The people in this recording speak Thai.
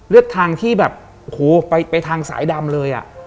เลือกทางที่แบบโอ้โหไปทางสายดำเลยอ่ะ